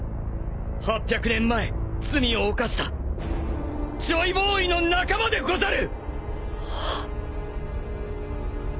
８００年前罪を犯したジョイボーイの仲間でござる！